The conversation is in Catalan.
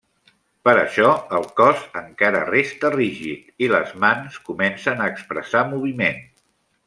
Per això el cos encara resta rígid, i les mans comencen a expressar moviment.